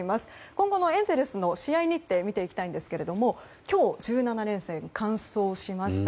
今後のエンゼルスの試合日程見ていきたいんですけども今日１７連戦完走しました。